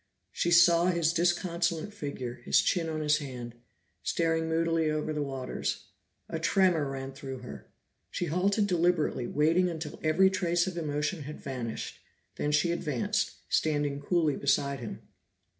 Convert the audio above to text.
She saw his disconsolate figure, his chin on his hand, staring moodily over the waters. A tremor ran through her, she halted deliberately, waiting until every trace of emotion had vanished, then she advanced, standing coolly beside him.